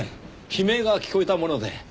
悲鳴が聞こえたもので。